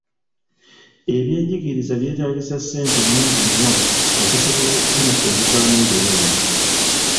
Ebyenjigiriza byetaagisa ssente nnyingi nnyo okusobola okufuna ebivaamu ebirungi.